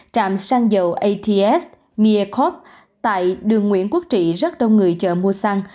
trạm xăng dầu ats miekoop tại đường nguyễn quốc trị rất đông người chờ mua xăng